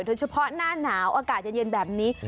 โดยเฉพาะหน้าหนาวอากาศเย็นแบบนี้